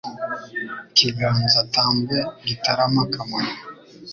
I Kiganza Tambwe Gitarama Kamonyi